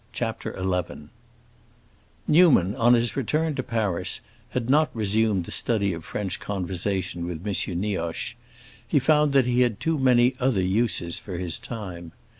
CHAPTER XI Newman, on his return to Paris, had not resumed the study of French conversation with M. Nioche; he found that he had too many other uses for his time.